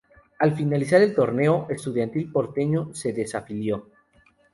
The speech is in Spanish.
Al finalizar el torneo, Estudiantil Porteño se desafilió.